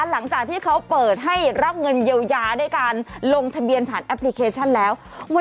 หลังจากที่เขาเปิดให้รับเงินเยียวยาด้วยการลงทะเบียนผ่านแอปพลิเคชันแล้ว